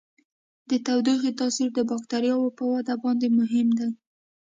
د تودوخې تاثیر د بکټریاوو په وده باندې مهم دی.